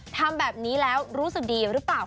ทำแบบนี้แล้วรู้สึกดีหรือเปล่า